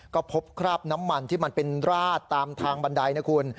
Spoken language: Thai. ก็พบคราบน้ำมันที่มันเป็นราดตามทางบันไดนะคุณ